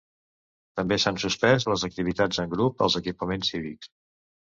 També s’han suspès les activitats en grup als equipaments cívics.